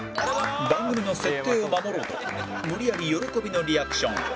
番組の設定を守ろうと無理やり喜びのリアクション